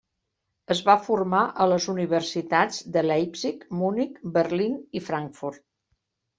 Es va formar a les Universitats de Leipzig, Munic, Berlín i Frankfurt.